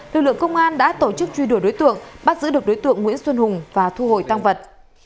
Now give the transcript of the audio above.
lực lượng công an đã tổ chức truy đuổi đối tượng bắt giữ được đối tượng nguyễn xuân hùng và thu hồi tăng vật